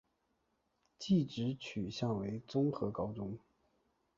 技职取向为综合高中。